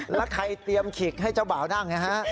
แล้วใครเตรียมขิกให้เจ้าบ่าวนั่งไงฮะ